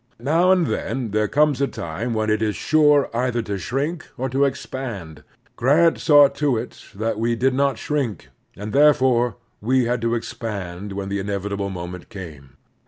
Now and then there comes a time when it is sure either to shrink or to expand. Grant saw to it that we did not shrink, and therefore we had to expand when the inevitable moment came.